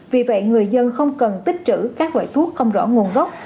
vì vậy người dân không cần tích trữ các loại thuốc không rõ nguồn gốc